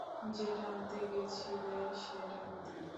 যেটা আনতে গেছিলে, সেটা কোথায়?